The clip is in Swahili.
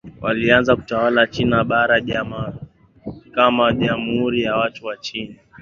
Walianza kutawala China Bara kama Jamhuri ya Watu wa China